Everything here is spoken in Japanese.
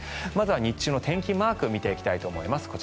まずは日中の天気マーク見ていきたいと思います。